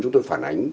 chúng tôi phản ánh